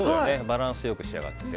バランスよく仕上がっていて。